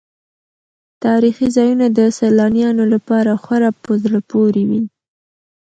تاریخي ځایونه د سیلانیانو لپاره خورا په زړه پورې وي.